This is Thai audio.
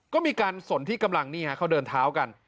ก็มีการสนที่กำลังนี่ฮะเขาเดินเท้ากัน